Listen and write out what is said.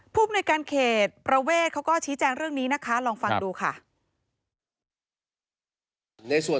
ภูมิในการเขตประเวทเขาก็ชี้แจงเรื่องนี้นะคะลองฟังดูค่ะ